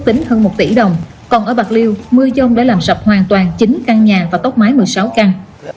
tính hơn một tỷ đồng còn ở bạc liêu mưa dông đã làm sập hoàn toàn chín căn nhà và tốc mái một mươi sáu căn